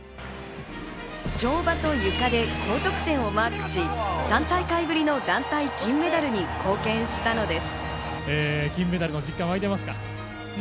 跳馬とゆかで高得点をマークし、３大会ぶりの団体金メダルに貢献したのです。